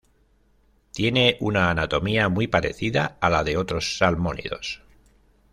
Tiene una anatomía muy parecida a la de otros salmónidos.